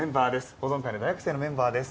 保存会の大学生のメンバーです。